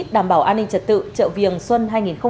đảm bảo an ninh trật tự chợ viềng xuân hai nghìn hai mươi bốn